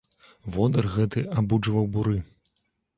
Водыр гэты абуджваў буры.